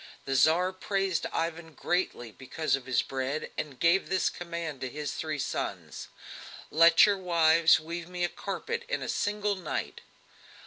The Tsar praised Ivan greatly because of his bread, and gave this command to his three sons: "Let your wives weave me a carpet in a single night."